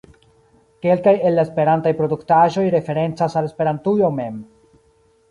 Kelkaj el la esperantaj produktaĵoj referencas al Esperantujo mem.